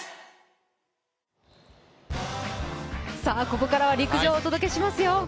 ここからは陸上をお届けしますよ。